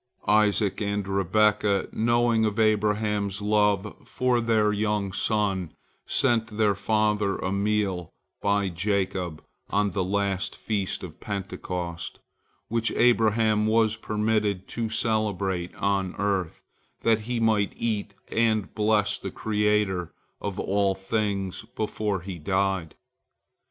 Isaac and Rebekah, knowing of Abraham's love for their young son, sent their father a meal by Jacob on the last Feast of Pentecost which Abraham was permitted to celebrate on earth, that he might eat and bless the Creator of all things before he died.